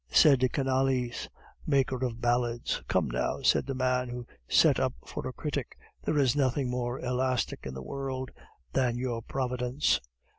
said Canalis, maker of ballads. "Come, now," said the man who set up for a critic, "there is nothing more elastic in the world than your Providence."